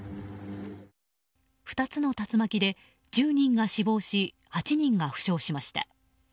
２つの竜巻で１０人が死亡し８人が負傷しました。